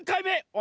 お！